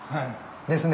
ですね。